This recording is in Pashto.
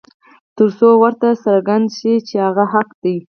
تر څو ورته څرګنده شي چې هغه حق دى.